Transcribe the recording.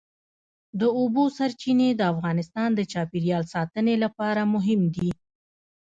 د اوبو سرچینې د افغانستان د چاپیریال ساتنې لپاره مهم دي.